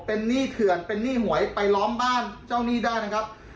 เป็นหนี้เขื่อนเป็นหนี้หวยไปล้อมบ้านเจ้าหนี้ได้นะครับ